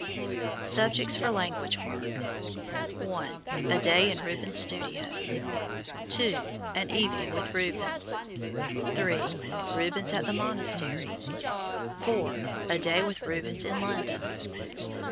SUBJECTS FOR LANGUAGE WORK. 1. A Day in Rubens' Studio. 2. An Evening with Rubens. 3. Rubens at the Monastery. 4. A Day with Rubens in London.